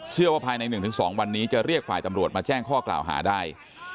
ภายใน๑๒วันนี้จะเรียกฝ่ายตำรวจมาแจ้งข้อกล่าวหาได้